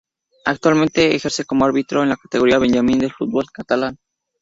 Actualmente, ejerce como árbitro en la categoría Benjamín del fútbol catalán.